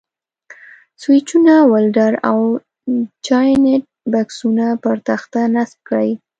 سویچونه، ولډر او جاینټ بکسونه پر تخته نصب کړئ.